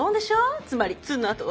つまりツンのあとは？